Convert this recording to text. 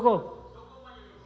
cukup pak jelis